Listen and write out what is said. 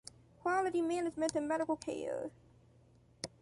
Quality management in medical care.